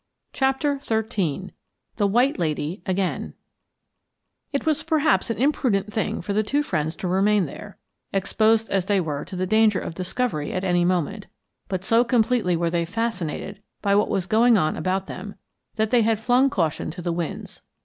CHAPTER XIII THE WHITE LADY AGAIN It was perhaps an imprudent thing for the two friends to remain there, exposed as they were to the danger of discovery at any moment; but, so completely were they fascinated by what was going on about them, that they had flung caution to the winds.